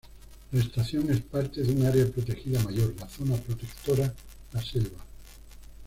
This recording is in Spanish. La Estación es parte de un área protegida mayor, la Zona Protectora La Selva.